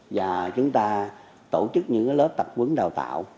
và chúng ta tổ chức những lớp tập quấn đào tạo